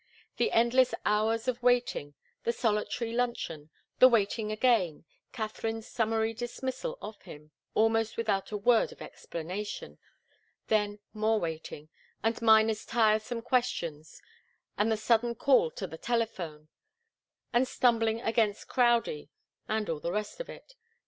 The endless hours of waiting, the solitary luncheon, the waiting again, Katharine's summary dismissal of him, almost without a word of explanation then more waiting, and Miner's tiresome questions, and the sudden call to the telephone, and stumbling against Crowdie and all the rest of it.